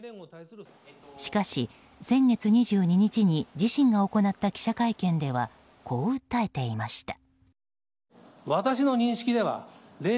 しかし、先月２２日に自身が行った記者会見ではこう訴えていました。